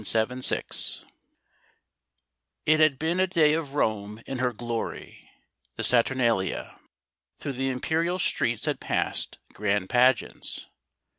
TT had been a day of Rome in her glory — the Satur nalia. Through the imperial streets had passed grand pageants.